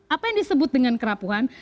apa yang disebut dengan kerapuhan